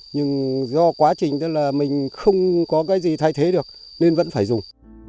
nhưng do quá trình tức là mình không có cái gì thay thế được nên vẫn phải dùng